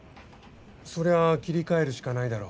そりゃ切り替えるしかないだろ。